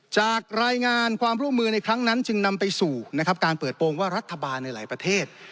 จากรายงานความร่วมมือในครั้งนั้นจึงนำไปสู่นะครับการเปิดโปรงว่ารัฐบาลในหลายประเทศ